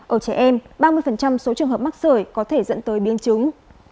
ở trẻ em ba mươi số trường hợp mắc sởi có thể dẫn tới biến chứng